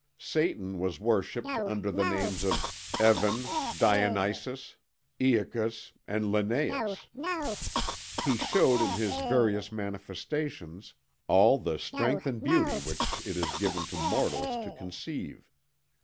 Satan was worshipped under the names of Evan, Dionysus, Iacchus, and Lenæus. He showed in his various manifestations all the strength and beauty which it is given to mortals to conceive.